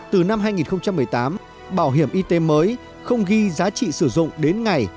ba từ năm hai nghìn một mươi tám bảo hiểm y tế mới không ghi giá trị sử dụng